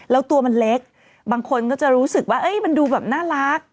แล้วตัวมันเล็กบางคนก็จะรู้สึกว่ามันดูแบบน่ารัก